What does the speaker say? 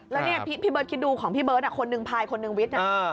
แล้วเนี่ยพี่เบิร์ตคิดดูของพี่เบิร์ตคนหนึ่งพายคนหนึ่งวิทย์